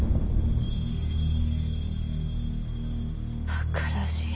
バカらしい。